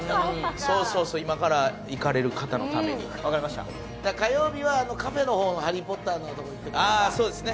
そうそう今から行かれる方のために火曜日はカフェの方の「ハリー・ポッター」のとこぜひそうですね